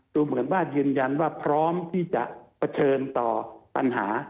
ดูเหมือนว่ายืนยันว่าพร้อมที่จะเผชิญต่อปัญหา